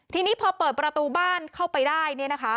ทีนี้พอเปิดประตูบ้านเข้าไปได้เนี่ยนะคะ